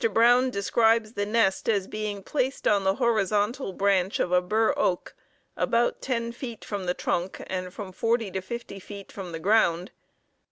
Brown describes the nest as being placed on the horizontal branch of a burr oak about ten feet from the trunk and from forty to fifty feet from the ground.